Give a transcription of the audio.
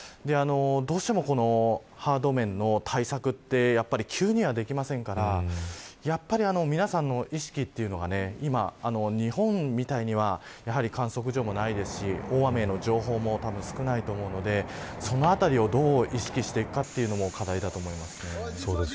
どうしてもハード面の対策って急には、できませんから皆さんの意識というのが今、日本みたいに観測所もないですし、大雨の情報も少ないと思うのでそのあたりを、どう意識していくかが課題だと思います。